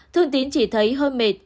thương tín chỉ thấy hơi mệt